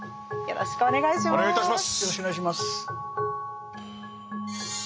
よろしくお願いします。